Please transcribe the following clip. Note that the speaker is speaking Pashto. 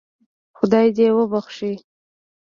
خدای دې وبخشي.